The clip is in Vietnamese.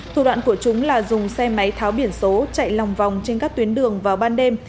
thủ đoạn của chúng là dùng xe máy tháo biển số chạy lòng vòng trên các tuyến đường vào ban đêm